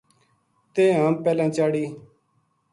تیں ہم پہلاں چاڑھی